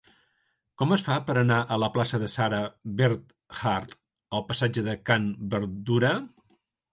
Com es fa per anar de la plaça de Sarah Bernhardt al passatge de Can Berdura?